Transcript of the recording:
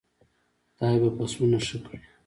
خدای به فصلونه ښه کړي.